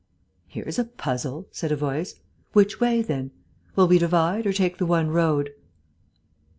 "Here's a puzzle," said a voice. "Which way, then? Will we divide, or take the one road?"